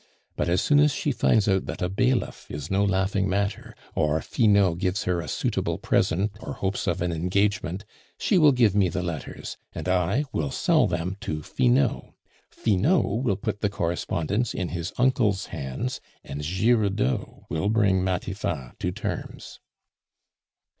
But as soon as she finds out that a bailiff is no laughing matter, or Finot gives her a suitable present or hopes of an engagement, she will give me the letters, and I will sell them to Finot. Finot will put the correspondence in his uncle's hands, and Giroudeau will bring Matifat to terms."